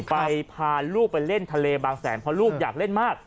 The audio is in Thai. พาลูกไปเล่นทะเลบางแสนเพราะลูกอยากเล่นมาก